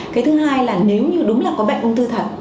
cái thứ hai là nếu như đúng là có bệnh ung thư thật